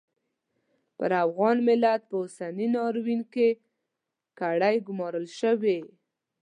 پر افغان ملت په اوسني ناورین کې کړۍ ګومارل شوې.